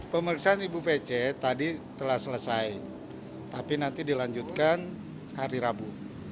pemeriksaan ibu pece tadi telah selesai tapi nanti dilanjutkan hari rabu